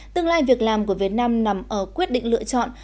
tương lai việc làm của việt nam nằm ở quyết định lựa chọn